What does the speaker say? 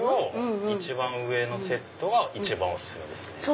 一番上のセットは一番お薦めです。